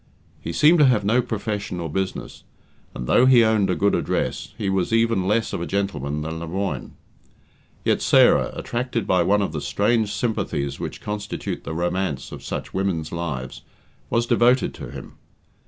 He seemed to have no profession or business, and though he owned a good address, he was even less of a gentleman than Lemoine. Yet Sarah, attracted by one of the strange sympathies which constitute the romance of such women's lives, was devoted to him.